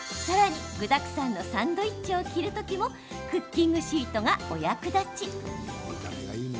さらに具だくさんのサンドイッチを切るときもクッキングシートがお役立ち。